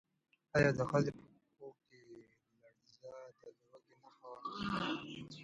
ایا د ښځې په پښو کې لړزه د لوږې نښه وه؟